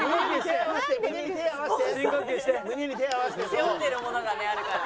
背負ってるものがねあるから。